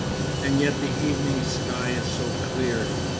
And yet the evening sky is so clear!